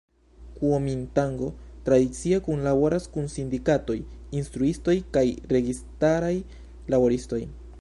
Kuomintango tradicie kunlaboras kun sindikatoj, instruistoj kaj registaraj laboristoj.